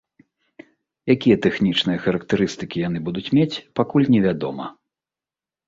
Якія тэхнічныя характарыстыкі яны будуць мець, пакуль невядома.